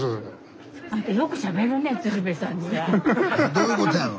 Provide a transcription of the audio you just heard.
どういうことやの？